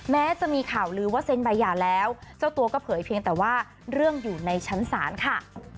แม้จะมีข่าวลือว่าเซ็นใบหย่าแล้วเจ้าตัวก็เผยเพียงแต่ว่าเรื่องอยู่ในชั้นศาลค่ะ